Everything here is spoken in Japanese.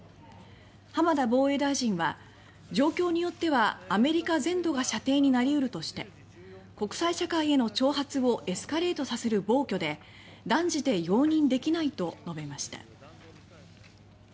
浜田防衛大臣は状況によってはアメリカ全土が射程になりうるとして国際社会への挑発をエスカレートさせる暴挙で断じて容認できないと述べました。